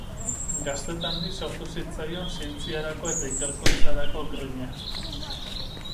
Gaztetandik sortu zitzaion zientziarako eta ikerkuntzarako grina.